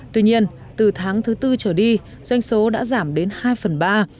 tuy nhiên từ tháng thứ tư trở đi doanh số đã giảm đến hai phần ba